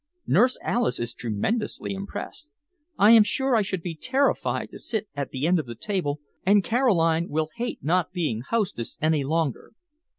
Nurse Alice is tremendously impressed. I am sure I should be terrified to sit at the end of the table, and Caroline will hate not being hostess any longer.